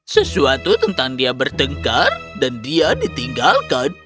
sesuatu tentang dia bertengkar dan dia ditinggalkan